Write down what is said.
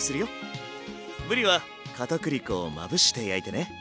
ぶりは片栗粉をまぶして焼いてね。